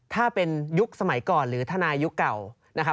ถ้าเป็นยุคสมัยก่อนหรือธนายยุคเก่า